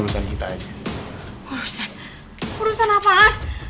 urusan urusan apaan